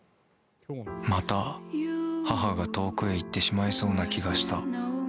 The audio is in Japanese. また母が遠くへ行ってしまいそうな気がした。